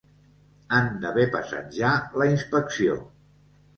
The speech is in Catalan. Han d'haver passat ja la inspecció.